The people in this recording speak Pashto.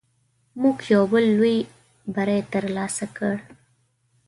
موږ یو بل لوی بری تر لاسه کړ.